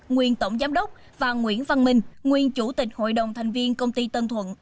nguyên tổng giám đốc và nguyễn văn minh nguyên chủ tịch hội đồng thành viên công ty tân thuận